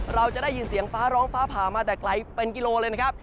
เราจะได้ยินเสียงฟ้าร้องฟ้าผ่ามาแต่ไกลเป็นกิโลเลยนะครับ